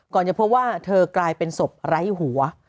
จะพบว่าเธอกลายเป็นศพไร้หัว